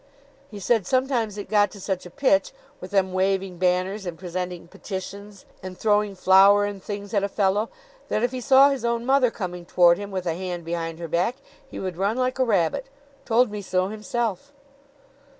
He said sometimes it got to such a pitch, with them waving banners and presenting petitions, and throwing flour and things at a fellow, that if he saw his own mother coming toward him, with a hand behind her back, he would run like a rabbit. Told me so himself."